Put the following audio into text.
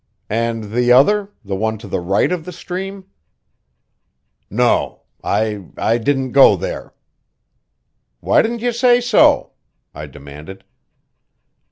"And the other the one to the right of the stream?" "No. I I didn't go there." "Why didn't you say so?" I demanded.